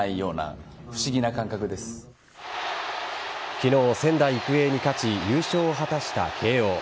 昨日、仙台育英に勝ち優勝を果たした慶応。